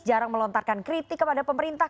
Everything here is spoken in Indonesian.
jarang melontarkan kritik kepada pemerintah